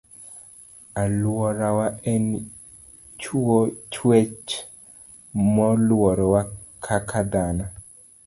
Aluorawa en chuech moluorowa kaka dhano